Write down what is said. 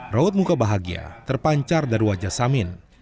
raut muka bahagia terpancar dari wajah samin